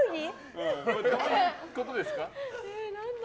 どういうことですか？